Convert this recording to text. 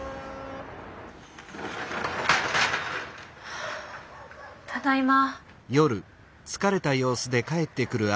はあただいま。